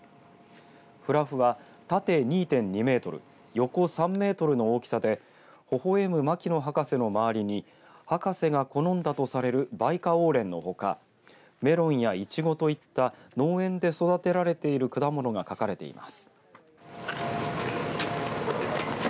フラフは縦２．２メートル横３メートルの大きさでほほえむ牧野博士の周りに博士が好んだとされるバイカオウレンのほかメロンやいちごといった農園で育てられている果物が描かれています。